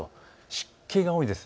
湿気が多いです。